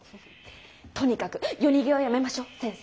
とにかく夜逃げはやめましょう先生。